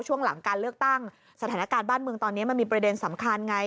ช่วงหลังการเลือกตั้งสถานการณ์บ้านเมืองตอนนี้มันมีประเด็นสำคัญไง